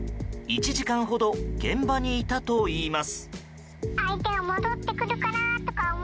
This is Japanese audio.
１時間ほど現場にいたといいます。